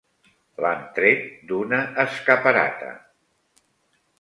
L'han tret d'una escaparata.